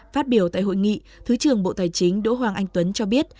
phát biểu tại hội nghị thứ trưởng bộ tài chính đỗ hoàng anh tuấn cho biết